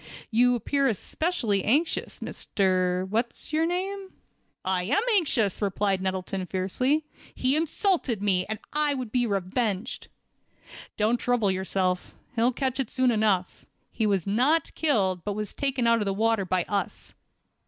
"You appear especially anxious, Mr. What's your name?" "I am anxious," replied Nettleton, fiercely. "He insulted me, and I would be revenged." "Don't trouble yourself. He'll catch it soon enough. He was not killed, but was taken out of the water by us."